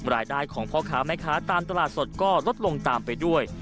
รายได้ของพ่อค้าแม่ค้าตามตลาดสดก็ลดลงตามไปด้วย